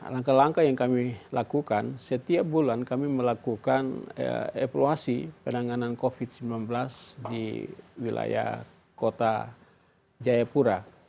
langkah langkah yang kami lakukan setiap bulan kami melakukan evaluasi penanganan covid sembilan belas di wilayah kota jayapura